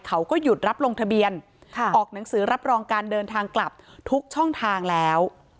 เขาก็หยุดรับลงทะเบียนออกหนังสือรับรองการเดินทางกลับทุกช่องทางแล้ว